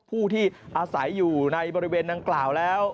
ผู้ที่อาศัยอยู่ในบริเวณดังกล่าวแล้ว